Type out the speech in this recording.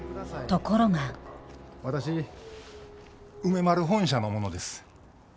ところが私梅丸本社の者です。